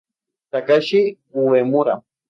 Takashi Uemura